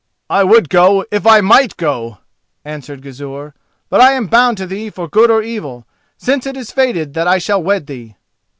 "I would go, if I might go!" answered Gizur; "but I am bound to thee for good or evil, since it is fated that I shall wed thee."